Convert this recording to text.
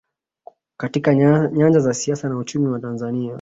katika nyanja za siasa na uchumi wa Tanzania